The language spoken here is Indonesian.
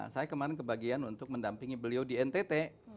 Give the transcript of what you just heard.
saya kemarin kebagian untuk mendampingi beliau di ntt